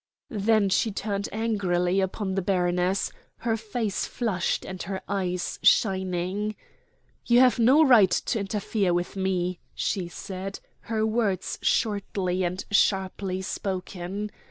Then she turned angrily upon the baroness, her face flushed and her eyes shining: "You have no right to interfere with me," she said, her words shortly and sharply spoken.